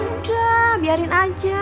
udah biarin aja